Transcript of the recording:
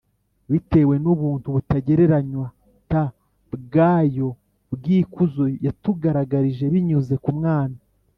bitewe n ubuntu butagereranywa t bwayo bw ikuzo yatugaragarije binyuze ku Mwana